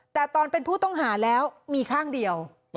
แต่ตอนเป็นผู้ต้องหาแล้วมีข้างเดียว